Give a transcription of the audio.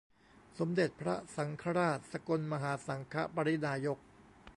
สมเด็จพระสังฆราช สกลมหาสังฆปริณายก